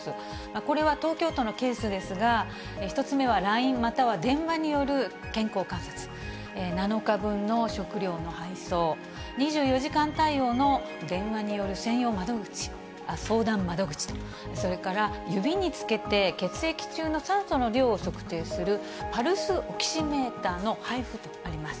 これは東京都のケースですが、１つ目はＬＩＮＥ、または電話による健康観察、７日分の食料の配送、２４時間対応の電話による相談窓口と、それから指につけて血液中の酸素の量を測定するパルスオキシメーターの配布とあります。